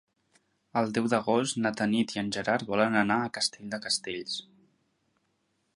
El deu d'agost na Tanit i en Gerard volen anar a Castell de Castells.